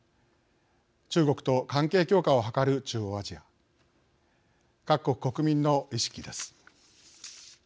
中国と関係強化を図る中央アジア各国国民の意識です。